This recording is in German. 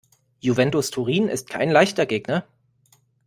Juventus Turin ist kein leichter Gegner.